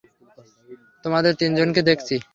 তোমাদের তিন জনকে দেখছি।